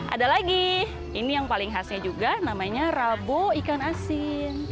ada lagi ini yang paling khasnya juga namanya rabo ikan asin